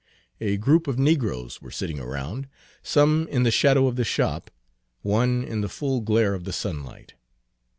A group of negroes were sitting around, some in the shadow of the shop, one in the full glare of the sunlight.